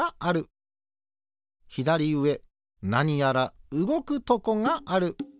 ひだりうえなにやらうごくとこがある。